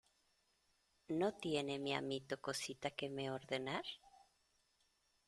¿ no tiene mi amito cosita que me ordenar?